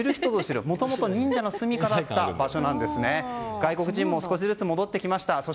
外国人も少しずつ戻ってきました。